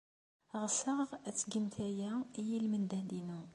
Ɣseɣ ad tgemt aya i lmendad-inu.